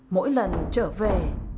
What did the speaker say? mỗi lần trở về